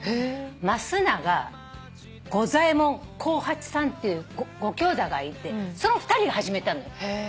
増永五左衛門幸八さんっていうご兄弟がいてその２人が始めたのよ。